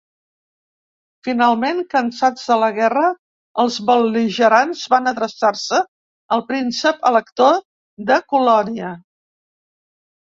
Finalment, cansats de la guerra, els bel·ligerants van adreçar-se al Príncep elector de Colònia.